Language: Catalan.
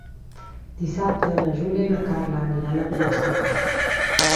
Dissabte na Júlia i na Carla aniran a Vila-sacra.